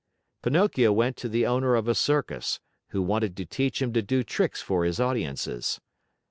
Pinocchio went to the owner of a circus, who wanted to teach him to do tricks for his audiences.